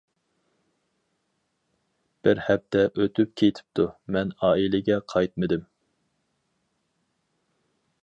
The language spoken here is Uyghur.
بىر ھەپتە ئۆتۈپ كېتىپتۇ، مەن ئائىلىگە قايتمىدىم.